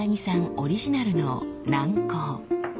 オリジナルの軟膏。